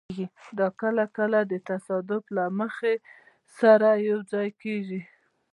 دا کله کله د تصادف له مخې سره یوځای کېږي.